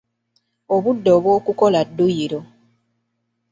Obudde obw’okukola dduyiro.